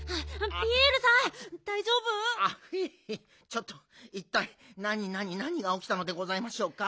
ちょっといったいなになになにがおきたのでございましょうか？